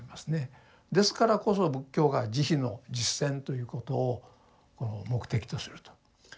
ですからこそ仏教が「慈悲の実践」ということをこの目的とすると。